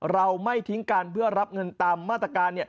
เราไม่ทิ้งกันเพื่อรับเงินตามมาตรการ